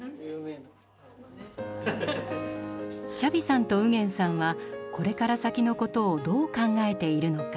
チャビさんとウゲンさんはこれから先のことをどう考えているのか。